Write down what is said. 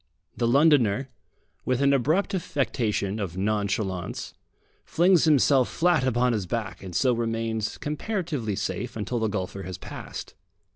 The Londoner, with an abrupt affectation of nonchalance, flings himself flat upon his back, and so remains comparatively safe until the golfer has passed.